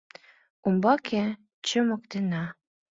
Умбаке чымыктена.